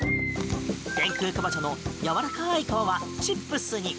天空かぼちゃのやわらかい皮はチップスに。